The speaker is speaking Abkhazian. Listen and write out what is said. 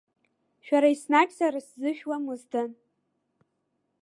Шәра еснагь сара сзы шәламысдан.